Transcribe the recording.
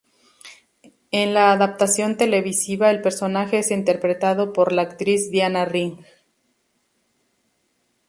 En la adaptación televisiva el personaje es interpretado por la actriz Diana Rigg.